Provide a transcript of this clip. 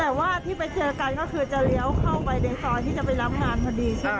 แต่ว่าที่ไปเจอกันก็คือจะเลี้ยวเข้าไปในซอยที่จะไปรับงานพอดีใช่ไหม